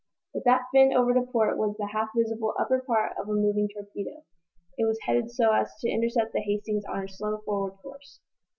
But that fin over to port was the half visible upper part of a moving torpedo! It was headed so as to intercept the "Hastings" on her slow, forward course.